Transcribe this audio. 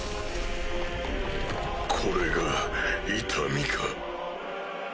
これが痛みか。